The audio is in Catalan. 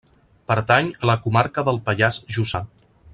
Pertany a la comarca del Pallars Jussà.